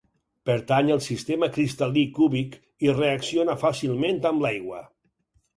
Pertany al sistema cristal·lí cúbic i reacciona fàcilment amb l'aigua.